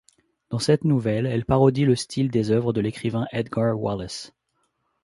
Dans cette nouvelle, elle parodie le style des œuvres de l'écrivain Edgar Wallace.